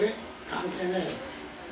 関係ない。